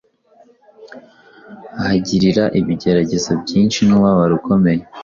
ahagirira ibigeragezo byinshi n’umubabaro ukomeye.